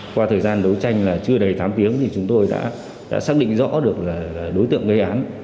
qua thời gian đấu tranh chưa đầy tám tiếng chúng tôi đã xác định rõ được đối tượng gây án